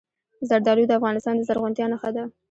زردالو د افغانستان د زرغونتیا نښه ده.